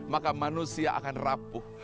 maka manusia akan rapuh